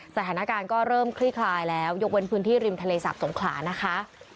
สถานการณ์ก็เริ่มคลี่คลายแล้วยกเว้นพื้นที่ริมทะเลสาบสงขลานะคะ